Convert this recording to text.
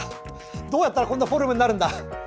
どうやったらこんなフォルムになるんだ。